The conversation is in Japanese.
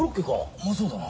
うまそうだな。